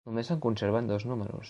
Només se'n conserven dos números.